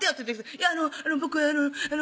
「いやあの僕はあの」